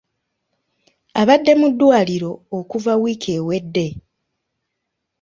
Abadde mu ddwaliro okuva wiiki ewedde.